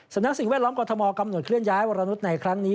สิ่งแวดล้อมกรทมกำหนดเคลื่อนย้ายวรนุษย์ในครั้งนี้